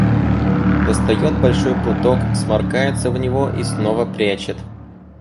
Достает большой платок, сморкается в него и снова прячет.